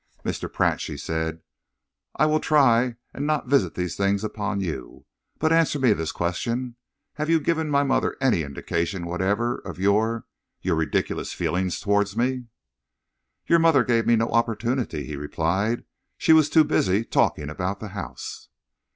"Mr. Pratt," she said, "I will try and not visit these things upon you; but answer me this question. Have you given my mother any indication whatever of your your ridiculous feelings towards me?" "Your mother gave me no opportunity," he replied. "She was too busy talking about the house."